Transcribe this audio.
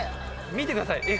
見てください。